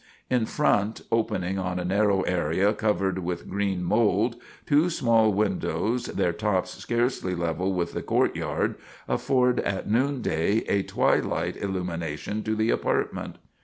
In front, opening on a narrow area covered with green mould, two small windows, their tops scarcely level with the court yard, afford at noonday a twilight illumination to the apartment.